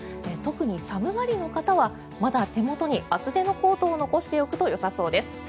特に寒がりの方はまだ手元に厚手のコートを残しておくとよさそうです。